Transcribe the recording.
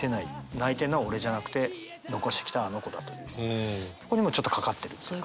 泣いてるのは俺じゃなくて残してきたあの娘だというとこにもちょっとかかってるというか。